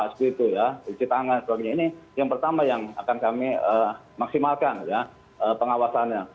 seperti itu ya cuci tangan dan sebagainya ini yang pertama yang akan kami maksimalkan ya pengawasannya